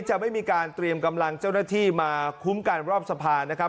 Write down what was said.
จะไม่มีการเตรียมกำลังเจ้าหน้าที่มาคุ้มกันรอบสะพานนะครับ